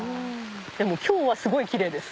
でも今日はすごいキレイです。